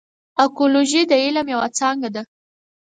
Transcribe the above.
اکولوژي د علم یوه څانګه ده.